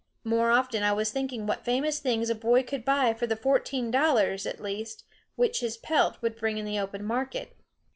More often I was thinking what famous things a boy could buy for the fourteen dollars, at least, which his pelt would bring in the open market.